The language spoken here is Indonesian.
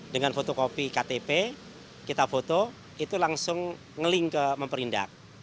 dengan fotokopi ktp kita foto itu langsung nge link ke memperindak